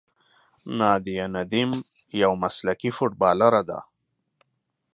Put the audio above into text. نادیه ندیم یوه مسلکي فوټبالره ده.